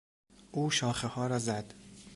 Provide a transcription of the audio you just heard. او شاخهها را زد.